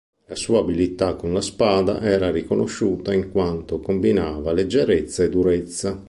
La sua abilità con la spada era riconosciuta in quanto combinava leggerezza e durezza.